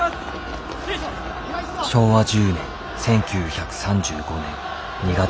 昭和１０年１９３５年２月１２日。